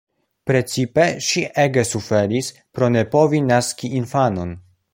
Precipe ŝi ege suferis pro ne povi naski infanon.